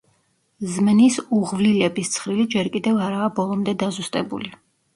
ზმნის უღვლილების ცხრილი ჯერ კიდევ არაა ბოლომდე დაზუსტებული.